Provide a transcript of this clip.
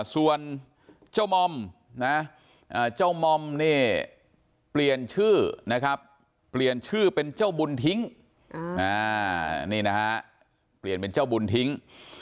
ส่วนเจ้ามอมเปลี่ยนชื่อเป็นเจ้าบุญทิ้ง